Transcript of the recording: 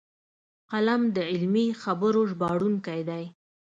قلم د علمي خبرو ژباړونکی دی